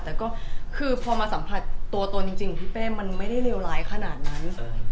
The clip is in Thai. แต่ก็คือพอมาสัมผัสตัวตนจริงพี่เป้มันไม่ได้เลวร้ายขนาดนั้น